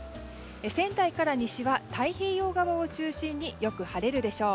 仙台から西は、太平洋側を中心によく晴れるでしょう。